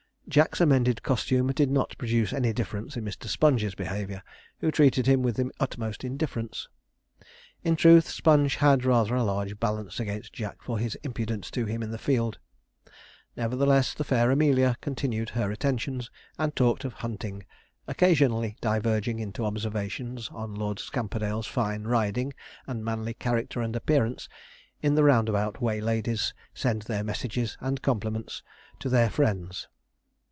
Jack's amended costume did not produce any difference in Mr. Sponge's behaviour, who treated him with the utmost indifference. In truth, Sponge had rather a large balance against Jack for his impudence to him in the field. Nevertheless, the fair Amelia continued her attentions, and talked of hunting, occasionally diverging into observations on Lord Scamperdale's fine riding and manly character and appearance, in the roundabout way ladies send their messages and compliments to their friends.